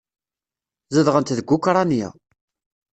Zedɣent deg Ukṛanya.